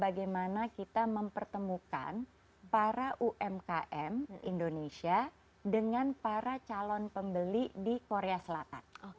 bagaimana kita mempertemukan para umkm indonesia dengan para calon pembeli di korea selatan